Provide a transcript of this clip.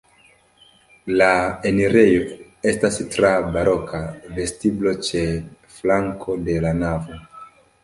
La enirejo estas tra baroka vestiblo ĉe flanko de la navo.